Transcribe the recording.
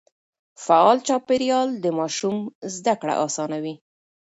فعال چاپېريال د ماشوم زده کړه آسانوي.